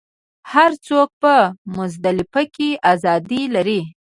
هر څوک په مزدلفه کې ازادي لري.